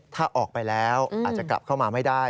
ถ้าออกไปแล้วอาจจะกลับเข้ามาไม่ได้